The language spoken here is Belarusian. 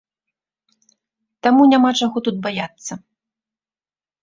Таму няма чаго тут баяцца.